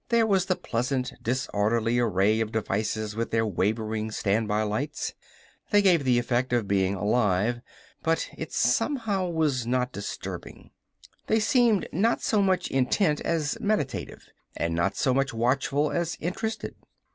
There was the pleasant, disorderly array of devices with their wavering standby lights. They gave an effect of being alive, but somehow it was not disturbing. They seemed not so much intent as meditative, and not so much watchful as interested.